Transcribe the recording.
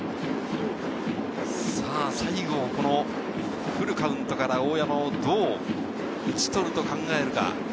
最後フルカウントから大山をどう打ち取ると考えるか。